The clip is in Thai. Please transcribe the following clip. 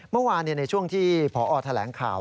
เมื่อวานในช่วงที่พอแถลงข่าว